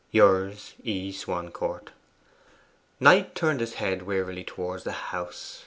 Yours, 'E. SWANCOURT. Knight turned his head wearily towards the house.